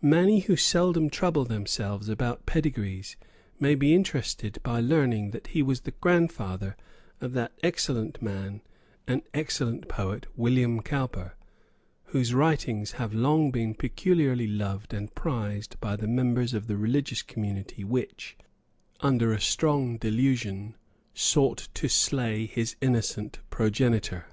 Many who seldom trouble themselves about pedigrees may be interested by learning that he was the grandfather of that excellent man and excellent poet William Cowper, whose writings have long been peculiarly loved and prized by the members of the religious community which, under a strong delusion, sought to slay his innocent progenitor.